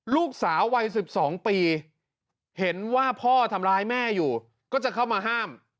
ลูกสาววัย๑๒ปีเห็นว่าพ่อทำร้ายแม่อยู่ก็จะเข้ามาห้าม